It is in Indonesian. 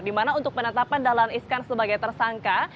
dimana untuk penetapan dahlan iskan sebagai tersangka